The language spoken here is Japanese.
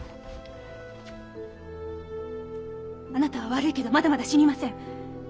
あなたは悪いけどまだまだ死にません。